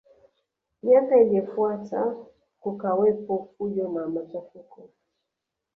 Miaka iliyofuata kukawepo fujo na machafuko